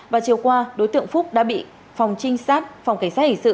và chiều qua đối tượng phúc đã bị phòng trinh sát phòng cảnh sát hình sự